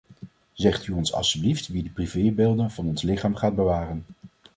Zegt u ons alstublieft wie die privébeelden van ons lichaam gaat bewaren.